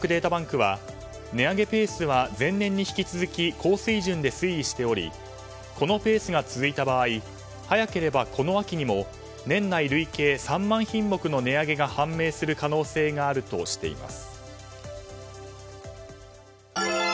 帝国データバンクは値上げペースは前年に引き続き高水準で推移しておりこのペースが続いた場合早ければこの秋にも年内累計３万品目の値上げが判明する可能性があるとしています。